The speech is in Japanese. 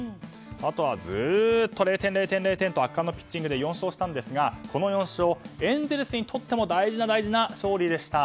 あとはずっと０点、０点と圧巻のピッチングで４勝したんですが、この４勝エンゼルスにとっても大事な大事な勝利でした。